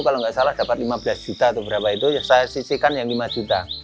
kalau nggak salah dapat lima belas juta atau berapa itu saya sisihkan yang lima juta